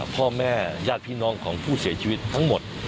พ่อแม่ญาติพี่น้องของผู้เสียชีวิตทั้งหมด